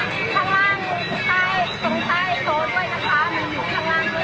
สวัสดีครับทุกคน